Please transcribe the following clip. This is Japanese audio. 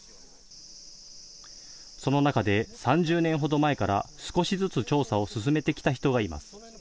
その中で３０年ほど前から少しずつ調査を進めてきた人がいます。